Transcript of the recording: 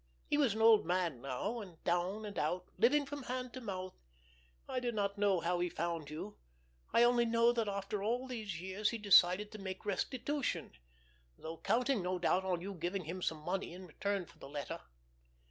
He was an old man now, and down and out, living from hand to mouth. I do not know how he found you; I only know that after all these years he decided to make restitution, though counting no doubt on you giving him some money in return for the letter.